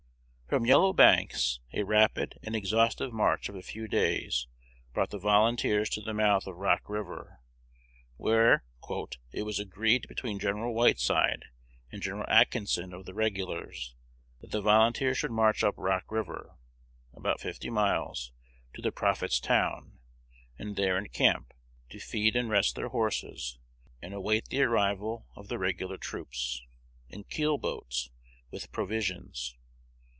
From Yellow Banks, a rapid and exhaustive march of a few days brought the volunteers to the mouth of Rock River, where "it was agreed between Gen. Whiteside and Gen. Atkinson of the regulars, that the volunteers should march up Rock River, about fifty miles, to the Prophet's Town, and there encamp, to feed and rest their horses, and await the arrival of the regular troops, in keel boats, with provisions.